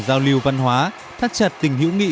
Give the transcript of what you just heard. giao lưu văn hóa thắt chặt tình hữu nghị